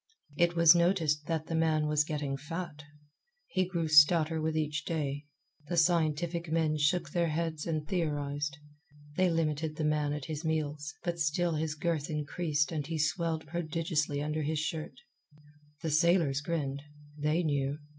It was noticed that the man was getting fat. He grew stouter with each day. The scientific men shook their heads and theorized. They limited the man at his meals, but still his girth increased and he swelled prodigiously under his shirt. The sailors grinned. They knew.